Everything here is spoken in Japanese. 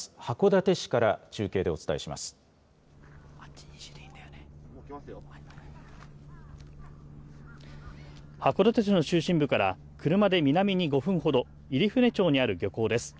函館市の中心部から車で南に５分ほど、いりふね町にある漁港です。